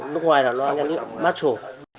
lúc ngoài là loa nhãn hiệu marshall